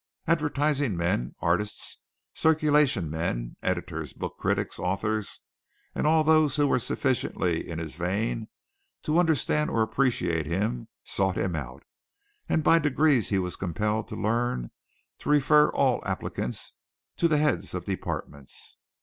Advertising men, artists, circulation men, editors, book critics, authors and all those who were sufficiently in his vein to understand or appreciate him sought him out, and by degrees he was compelled to learn to refer all applicants to the heads of departments.